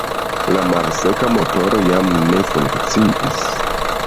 La malseka motoro jam ne funkciis.